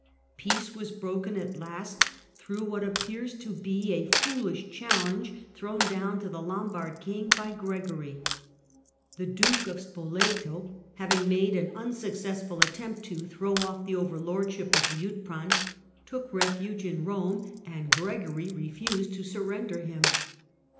Peace was broken at last through what appears to be a foolish challenge thrown down to the Lombard king by Gregory. The Duke of Spoleto, THE POPE, THE LOMBARDS AND THE FRANKS 123 I laving made an unsuccessful attempt to throw off the I >verlordship of Liutprand, took refuge in Eome, and jregory refused to surrender him.